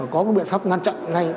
có cái biện pháp ngăn chặn ngay